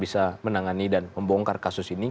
bisa menangani dan membongkar kasus ini